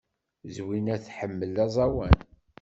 Zwina tḥemmel aẓawan.